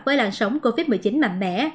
với làn sóng covid một mươi chín mạnh mẽ